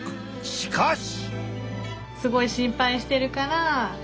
しかし。